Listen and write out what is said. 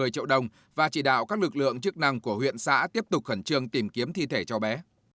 một mươi triệu đồng và chỉ đạo các lực lượng chức năng của huyện xã tiếp tục khẩn trương tìm kiếm thi thể cho bé